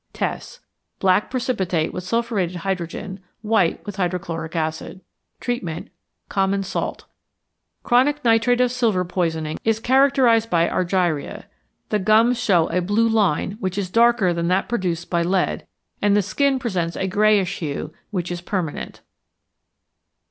Tests. Black precipitate with sulphuretted hydrogen; white with hydrochloric acid. Treatment. Common salt. Chronic nitrate of silver poisoning is characterized by argyria. The gums show a blue line, which is darker than that produced by lead, and the skin presents a greyish hue, which is permanent.